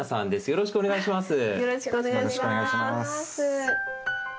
よろしくお願いします。